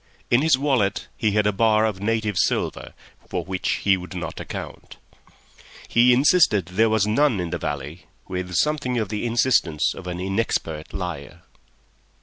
In his wallet he had a bar of native silver for which he would not account; he insisted there was none in the valley with something of the insistence of an inexpert liar.